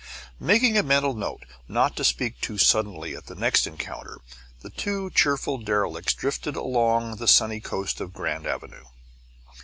Making a mental note not to speak too suddenly at the next encounter, the two cheerful derelicts drifted along the sunny coast of Grand Avenue.